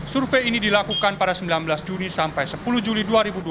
survei ini dilakukan pada sembilan belas juni sampai sepuluh juli dua ribu dua puluh